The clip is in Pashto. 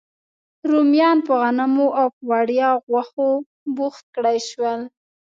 رومیان په غنمو او په وړیا غوښو بوخت کړای شول.